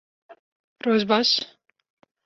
Roj baş